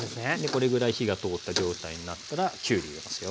これぐらい火が通った状態になったらきゅうり入れますよ。